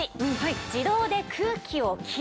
自動で。